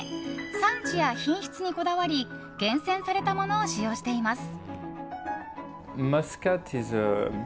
産地や品質にこだわり厳選されたものを使用しています。